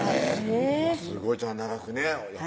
すごい長くねやっ